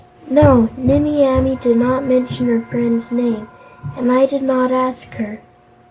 "No, Nimmie Amee did not mention her friend's name, and I did not ask her.